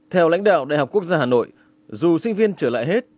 theo lãnh đạo đại học quốc gia hà nội dù sinh viên trở lại hết